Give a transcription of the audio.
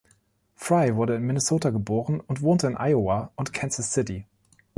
Fry wurde in Minnesota geboren und wohnte in Iowa und Kansas City.